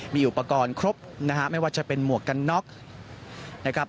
มีอุปกรณ์ครบนะฮะไม่ว่าจะเป็นหมวกกันน็อกนะครับ